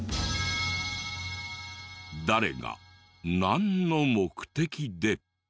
誰がなんの目的で？